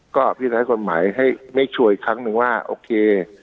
ก็อภิรัยกฎหมายให้ไม่ชัวร์อีกครั้งนึงว่าโอเค